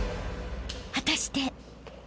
［果たして？］